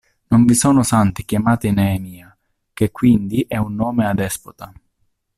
Non vi sono santi chiamati Neemia, che quindi è un nome adespota.